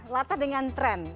latah dengan tren